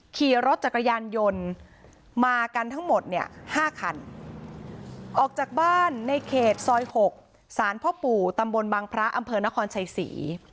ขี่รถจักรยานยนต์มากันทั้งหมดเนี่ย๕คันออกจากบ้านในเขตซอย๖สารพ่อปู่ตำบลบังพระอำเภอนครชัยศรี